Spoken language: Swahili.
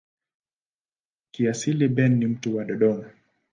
Kiasili Ben ni mtu wa Dodoma.